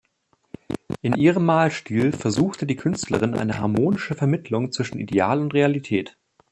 In ihrem Malstil versuchte die Künstlerin eine harmonische Vermittlung zwischen Ideal und Realität.